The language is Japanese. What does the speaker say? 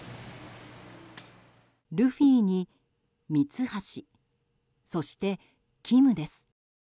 ルフィに三ツ橋そしてキムです。